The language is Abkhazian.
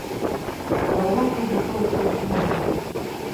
Шәара Аллаҳ ида хылаԥшҩы дшәымаӡам.